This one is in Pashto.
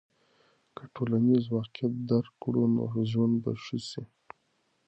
که ټولنیز واقعیت درک کړو نو ژوند به ښه سي.